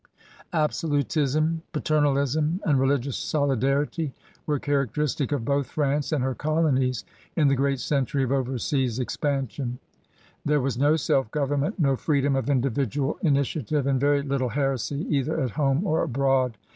Absolutism, paternalism, and religious solidarity were characteristic of both France and her colonies in the great century of overseas expansion. There 14 CRUSADERS OF NEW FRANCE was no self government, no freedom of individual initiative, and very little heresy either at home or abroad.